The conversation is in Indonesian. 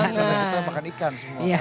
karena kita makan ikan semua kan